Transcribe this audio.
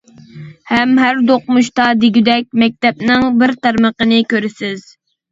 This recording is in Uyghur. ھەم ھەر دوقمۇشتا دېگۈدەك مەكتەپنىڭ بىر تارمىقىنى كۆرىسىز.